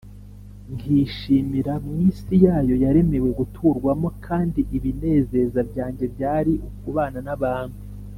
nkishimira mu isi yayo yaremewe guturwamo, kandi ibinezeza byanjye byari ukubana n’abantu